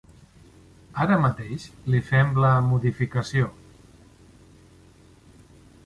Ara mateix li fem la modificació.